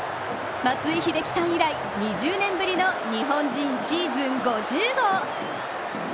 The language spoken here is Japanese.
松井秀喜さん以来、２０年ぶりの日本人シーズン５０号。